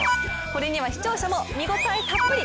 これには視聴者も見応えたっぷり。